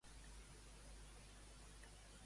Quin va dirigir i a més va actuar-hi?